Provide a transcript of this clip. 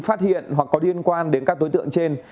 phát hiện hoặc có liên quan đến các đối tượng trên